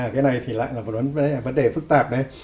cái này lại là vấn đề phức tạp đấy